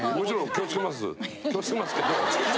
気を付けますけど。